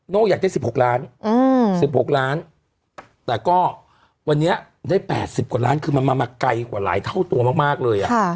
อยากได้๑๖ล้าน๑๖ล้านแต่ก็วันนี้ได้๘๐กว่าล้านคือมันมาไกลกว่าหลายเท่าตัวมากเลย